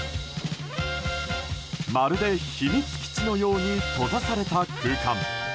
まるで秘密基地のように閉ざされた空間。